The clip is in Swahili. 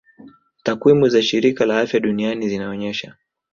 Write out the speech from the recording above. Takwimu za shirika la afya duniani zinaonyesha